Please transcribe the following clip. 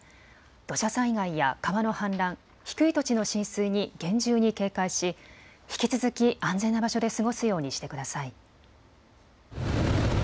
土砂災害や川の氾濫、低い土地の浸水に厳重に警戒し引き続き安全な場所で過ごすようにしてください。